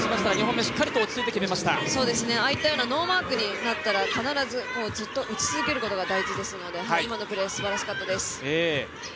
ああいったようなノーマークになったら必ずずっと打ち続けることが大事なので今のプレーすばらしかったです。